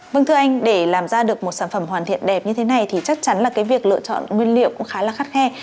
vâng thưa anh để làm ra được một sản phẩm hoàn thiện đẹp như thế này thì chắc chắn là cái việc lựa chọn nguyên liệu cũng khá là khắt khe